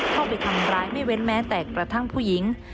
เข้าไปทำร้ายไม่เว้นแม้แต่กระทั่งผู้หญิง